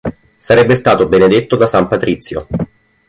Sarebbe stato benedetto da san Patrizio.